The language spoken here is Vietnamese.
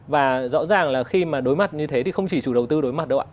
và rõ ràng là khi mà đối mặt như thế thì không chỉ chủ đầu tư đối mặt đâu ạ